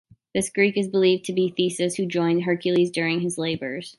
This Greek is believed to be Theseus, who joined Heracles during his labors.